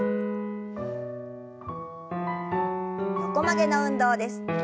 横曲げの運動です。